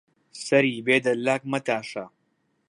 سەری بێ دەلاک مەتاشە